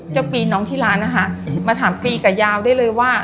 ปีน้องที่ร้านนะคะมาถามปีกับยาวได้เลยว่า